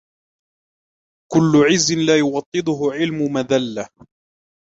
كُلُّ عِزٍّ لَا يُوَطِّدُهُ عِلْمٌ مَذَلَّةٌ